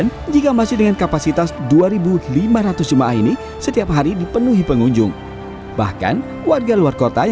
di dalam masjid ada mahkotanya setiap kagak ada mahkota